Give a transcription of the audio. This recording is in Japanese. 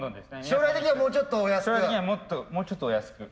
将来的にはもうちょっとお安く？